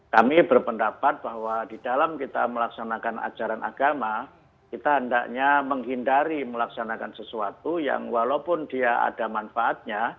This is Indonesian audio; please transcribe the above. kami berpendapat bahwa di dalam kita melaksanakan ajaran agama kita hendaknya menghindari melaksanakan sesuatu yang walaupun dia ada manfaatnya